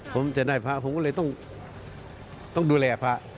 ผมจะได้พระผมก็เลยต้องดูแลพระ